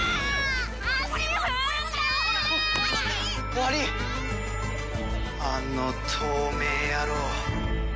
あの透明野郎！